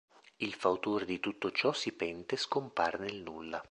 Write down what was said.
Il fautore di tutto ciò si pente e scompare nel nulla.